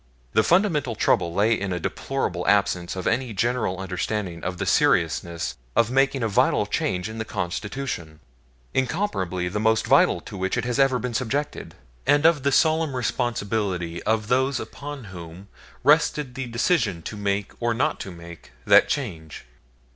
The fundamental trouble lay in a deplorable absence of any general understanding of the seriousness of making a vital change in the Constitution incomparably the most vital to which it has ever been subjected and of the solemn responsibility of those upon whom rested the decision to make or not to make that change.